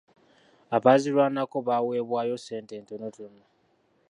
Abaazirwanako baweebwayo ssente etonotono.